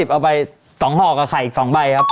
เอาไป๒ห่อกับไข่อีก๒ใบครับ